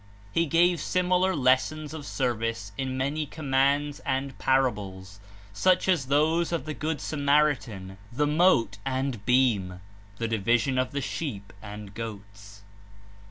He gave similar lessons of service in many commands and parables, such as those of the Good Samaritan, the mote and beam, the division of the sheep and goats.